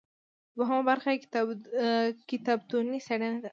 دوهمه برخه یې کتابتوني څیړنه ده.